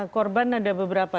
korban ada beberapa